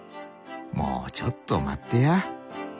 もうちょっと待ってや。